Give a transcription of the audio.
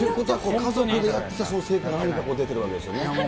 家族でやってた成果がここに出てるわけですね。